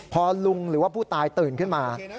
พอลุงหรือว่าผู้ตายตื่นขึ้นมา